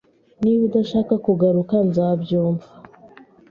Niba udashaka kugaruka, nzabyumva